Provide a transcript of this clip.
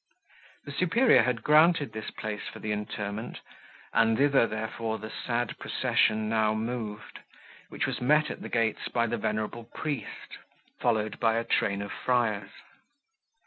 The superior had granted this place for the interment, and thither, therefore, the sad procession now moved, which was met, at the gates, by the venerable priest, followed by a train of friars.